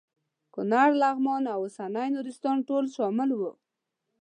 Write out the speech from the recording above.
کونړ لغمان او اوسنی نورستان ټول شامل وو.